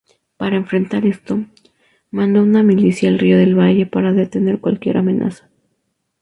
Para enfrentar esto, mandó una milicia al río del Valle para detener cualquier amenaza.